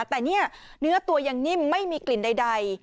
แต่เนี่ยเนื้อตัวยังนิ่มไม่มีกลิ่นใด